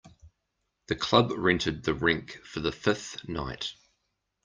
The club rented the rink for the fifth night.